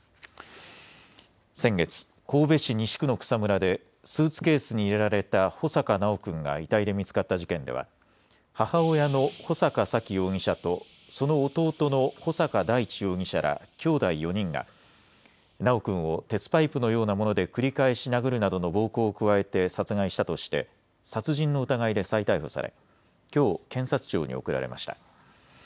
先月、神戸市西区の草むらでスーツケースに入れられた穂坂修君が遺体で見つかった事件では母親の穂坂沙喜容疑者とその弟の穂坂大地容疑者らきょうだい４人が修君を鉄パイプのようなもので繰り返し殴るなどの暴行を加えて殺害したとして殺人の疑いで再逮捕されきょう検察庁に送られました。